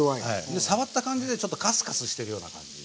で触った感じでちょっとカスカスしてるような感じ